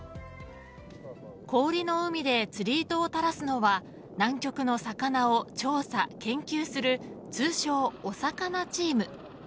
氷の海で釣り糸を垂らすのは南極の魚を調査、研究する通称、お魚チーム。